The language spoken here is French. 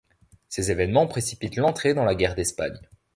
Ces événements précipitent l'entrée dans la guerre d'Espagne.